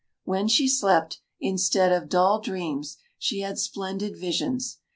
When she slept, instead of dull dreams, she had splendid visions.